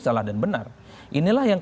salah dan benar inilah yang